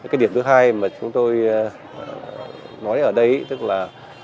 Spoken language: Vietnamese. cái điểm thứ hai mà chúng tôi nói ở đây tức là